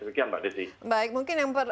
demikian mbak desi baik mungkin yang pada